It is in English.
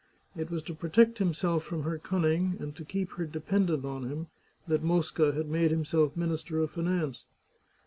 It was to protect himself from her cunning and to keep her dependent on him that Mosca had made himself Minister of Finance.